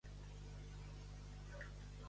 De tu vaig!